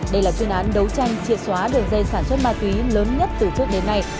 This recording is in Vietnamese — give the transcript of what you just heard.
đây là chuyên án đấu tranh triệt xóa đường dây sản xuất ma túy lớn nhất từ trước đến nay